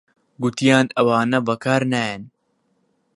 گوتیان ئەوانە بەکار نایەن